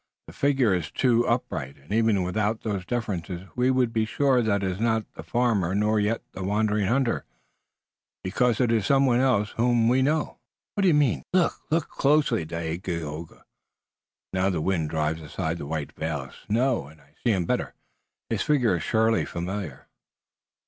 The figure is too upright. And even without these differences we would be sure that it is not the farmer, nor yet the wandering hunter, because it is some one else whom we know." "What do you mean, Tayoga?" "Look! Look closely, Dagaeoga!" "Now the wind drives aside the white veil of snow and I see him better. His figure is surely familiar!"